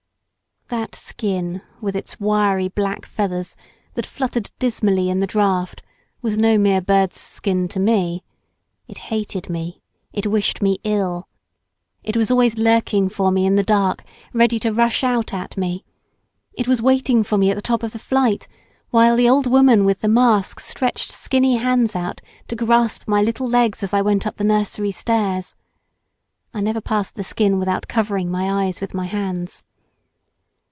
That skin, with its wiry black feathers that fluttered dismally in the draught, was no mere bird's skin to me. It hated me, it wished me ill. It was always lurking for me in the dark, ready to rush out at me. It was waiting for me at the top of the flight, while the old woman with the mask stretched skinny hands out to grasp my little legs as I went up the nursery stairs. I never passed the skin without covering my eyes with my hands.